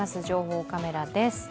情報カメラです。